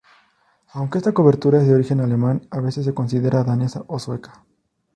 Aunque esta cobertura es de origen alemán, a veces se considera danesa o sueca.